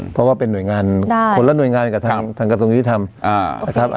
เพราะว่าเป็นหน่วยงานคนละหน่วยงานกับทางกระทรวงนี้ที่ทำ